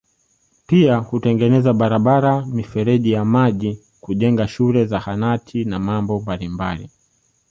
Pia hutengeneza barabara mifereji ya maji kujenga shule Zahanati na mambo mabalimbali